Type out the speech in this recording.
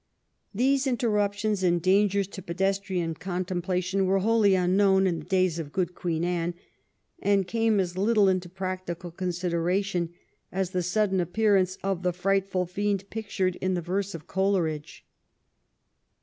These interruptions and dangers to pedestrian contemplation were wholly unknown in the days of good Queen Anne, and came as little into prac tical consideration as the sudden appearance of the frightful fiend pictured in the verse of Coleridge.